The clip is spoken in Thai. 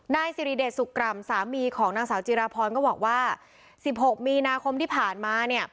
นายสิริเดชสุกรรมสามีของนางสาวจิราพรก็บอกว่า๑๖มีนาคมที่ผ่านมาเนี่ย